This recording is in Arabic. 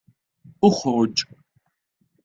اخرج!